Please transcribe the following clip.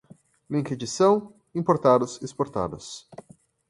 linkedição, importados, exportados